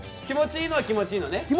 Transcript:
気持ちいいのは気持ちいいのね。